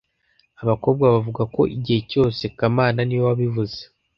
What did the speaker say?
Abakobwa bavuga ko igihe cyose kamana niwe wabivuze